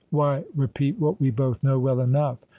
Why repeat what we both know well enough?